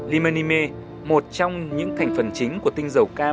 limonime một trong những thành phần chính của tinh dầu cam